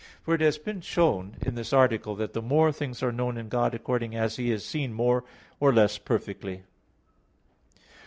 For it has been shown in this article that the more things are known in God according as He is seen more or less perfectly.